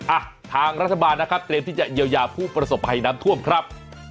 อ่ะทางรัฐบาลนะครับเตรียมที่จะเยียวยาผู้ประสบภัยน้ำท่วมครับ